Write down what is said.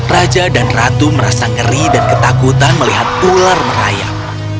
raja dan ratu merasa ngeri dan ketakutan melihat ular merayap